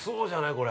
これ。